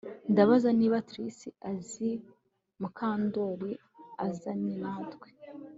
Ndabaza niba Trix azi Mukandoli azanye natwe